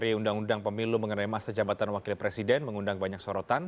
dari undang undang pemilu mengenai masa jabatan wakil presiden mengundang banyak sorotan